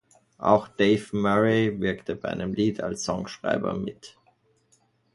Auch Dave Murray wirkte bei einem Lied als Songschreiber mit.